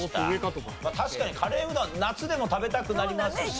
確かにカレーうどんは夏でも食べたくなりますしね。